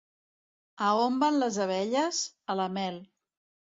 A on van les abelles? A la mel.